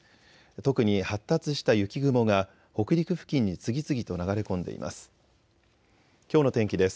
特に発達した雪雲が北陸付近に次々と流れ込んでいます。